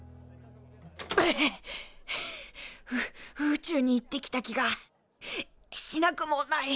宇宙に行ってきた気がしなくもない。